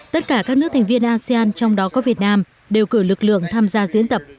tất cả các nước thành viên asean trong đó có việt nam đều cử lực lượng tham gia diễn tập